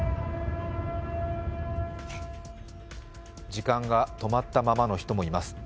時間が止まったままの人もいます。